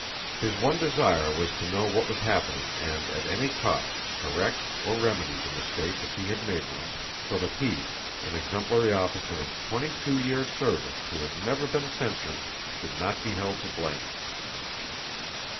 His one desire was to know what was happening and at any cost correct, or remedy, the mistake if he had made one, so that he, an exemplary officer of twenty two years' service, who had never been censured, should not be held to blame.